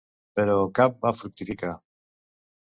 Però cap va fructificar.